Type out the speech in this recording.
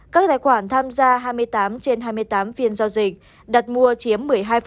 các tài khoản tham gia hai mươi tám trên hai mươi tám phiên giao dịch đặt mua chiếm một mươi hai